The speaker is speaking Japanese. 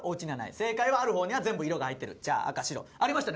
正解はある方には全部色が入ってる茶赤白ありましたね